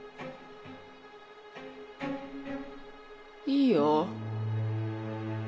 いいよ。